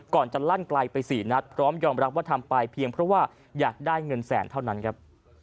ก่อนจะลั่นไกลไป๔นัดพร้อมยอมรับว่าทำไปเพียงเพราะว่าอยากได้เงินแสนเท่านั้นครับ